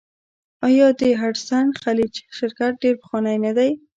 آیا د هډسن خلیج شرکت ډیر پخوانی نه دی؟